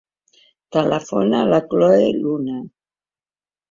Telefona a la Chloé Luna.